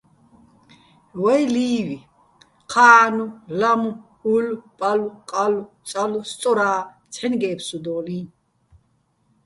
ვაჲ ლი́ვ: ჴანო̆, ლამო̆, ულო̆, პალო̆, ყალო̆, წალო, სწორა, ცჰ̦აჲნი̆ გე́ფსუდოლიჼ.